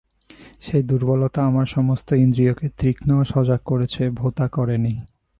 সেই দুর্বলতা আমার সমস্ত ইন্দ্রিয়কে তীক্ষ্ণ, সজাগ করেছে, ভোঁতা করেনি।